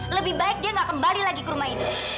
lebih baik dia tidak kembali lagi ke rumah ini